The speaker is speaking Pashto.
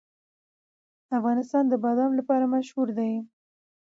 افغانستان د بادام لپاره مشهور دی.